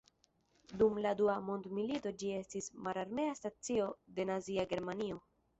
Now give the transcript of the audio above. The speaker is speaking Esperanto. Dum la Dua Mondmilito ĝi estis mararmea stacio de Nazia Germanio.